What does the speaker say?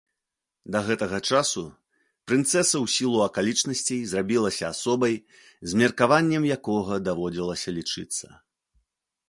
Да гэтага часу прынцэса ў сілу акалічнасцей зрабілася асобай, з меркаваннем якога даводзілася лічыцца.